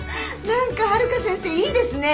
何かハルカ先生いいですね。